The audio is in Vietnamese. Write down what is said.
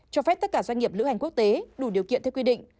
cho phép tất cả doanh nghiệp lữ hành quốc tế đủ điều kiện theo quy định